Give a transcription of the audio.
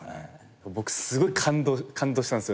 僕すごい感動したんすよ。